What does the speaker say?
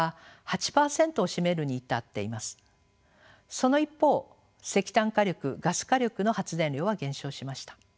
その一方石炭火力ガス火力の発電量は減少しました。